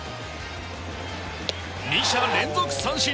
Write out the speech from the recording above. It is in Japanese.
２者連続三振。